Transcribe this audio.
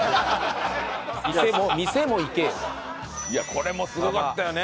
これもすごかったよね。